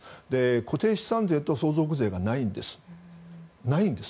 固定資産税と相続税がないんです。